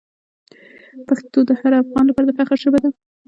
پښتو د هر افغان لپاره د فخر ژبه ده.